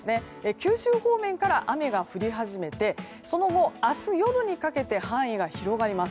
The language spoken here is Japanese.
九州方面から雨が降り始めてその後、明日夜にかけて範囲が広がります。